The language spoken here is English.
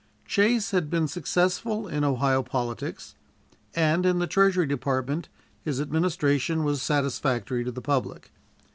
Chase had been successful in Ohio politics, and in the Treasury Department his administration was satisfactory to the public.